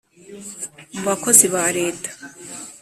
mu bakozi ba leta